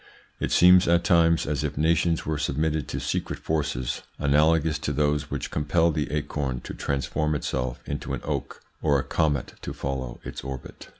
It seems at times as if nations were submitted to secret forces analogous to those which compel the acorn to transform itself into an oak or a comet to follow its orbit.